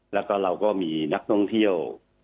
แล้วก็เราก็มีนักท่องเที่ยว